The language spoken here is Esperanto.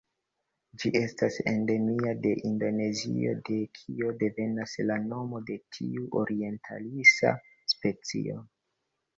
Ĝi estas endemia de Indonezio de kio devenas la nomo de tiu orientalisa specio.